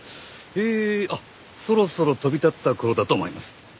えーあっそろそろ飛び立った頃だと思います。